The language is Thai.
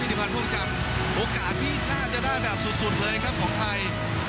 พิธีพันธ์พวกจันทร์โอกาสที่น่าจะได้แบบสุดสุดเลยครับของไทย